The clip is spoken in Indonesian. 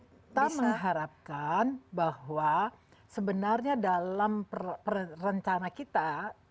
kita mengharapkan bahwa sebenarnya dalam rencana kita